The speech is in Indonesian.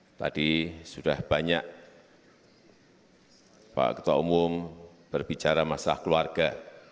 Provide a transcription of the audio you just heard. nah tadi sudah banyak pak ketua umum berbicara masalah keluarga